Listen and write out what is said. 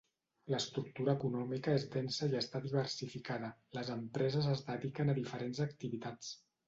L'estructura econòmica és densa i està diversificada, les empreses es dediquen a diferents activitats.